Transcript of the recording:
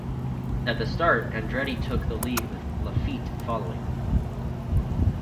At the start, Andretti took the lead with Laffite following.